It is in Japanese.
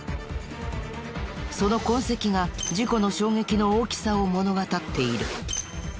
その痕跡が事故の衝撃の大きさを物語っている。